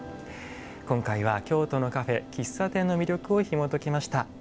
今回は「京都のカフェ・喫茶店」の魅力をひもときました。